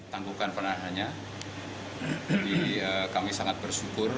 tampukan penangganya kami sangat bersyukur